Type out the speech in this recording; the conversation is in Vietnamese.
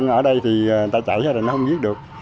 ở đây thì người ta chạy ra là nó không giết được